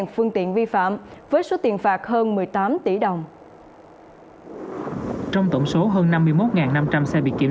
một phương tiện vi phạm với số tiền phạt hơn một mươi tám tỷ đồng trong tổng số hơn năm mươi một năm trăm linh xe bị kiểm